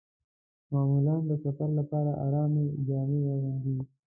معمولاً د سفر لپاره ارامې جامې اغوندم.